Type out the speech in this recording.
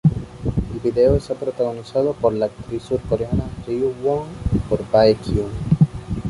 El vídeo esta protagonizado por la actriz surcoreana Ryu Won y por Baekhyun.